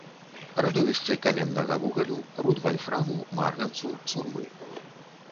Радовішчы каменнага вугалю, руд вальфраму, марганцу, сурмы.